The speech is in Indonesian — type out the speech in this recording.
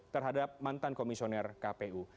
terhadap mantan komisioner kpu